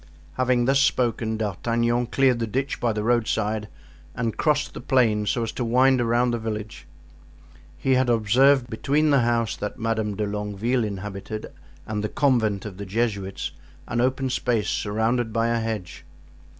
Having thus spoken, D'Artagnan cleared the ditch by the roadside and crossed the plain so as to wind around the village. He had observed between the house that Madame de Longueville inhabited and the convent of the Jesuits, an open space surrounded by a hedge.